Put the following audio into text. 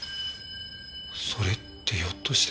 それってひょっとして。